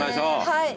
はい。